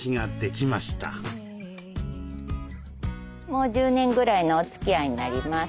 もう１０年ぐらいのおつきあいになります。